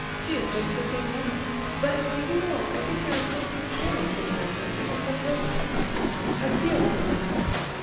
She is just the same now; but, do you know, I think there is something serious in the matter, even from her side; I feel it, somehow.